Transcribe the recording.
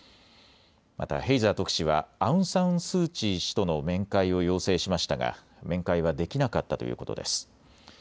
またヘイザー特使はアウン・サン・スー・チー氏との面会を要請しましたが面会はできなかったということです。